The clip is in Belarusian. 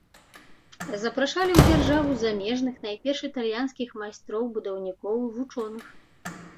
Запрашалі ў дзяржаву замежных, найперш італьянскіх майстроў, будаўнікоў і вучоных.